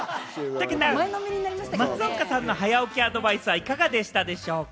たけたん、松岡さんの早起きアドバイスはいかがでしたでしょうか？